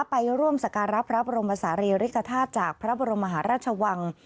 ไปร่วมสักการรับพระบรมศาเลียริกฐาจากพระบรมหาราชวัง